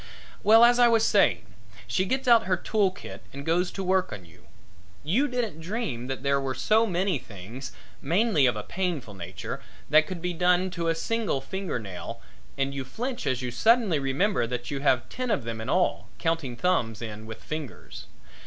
Well, as I was saying, she gets out her tool kit and goes to work on you. You didn't dream that there were so many things mainly of a painful nature that could be done to a single finger nail and you flinch as you suddenly remember that you have ten of them in all, counting thumbs in with fingers.